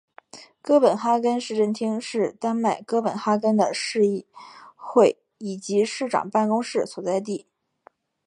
哥本哈根市政厅是丹麦哥本哈根的市议会以及市长办公室所在地。